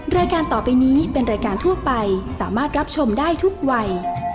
รายการต่อไปนี้เป็นรายการทั่วไปสามารถรับชมได้ทุกวัย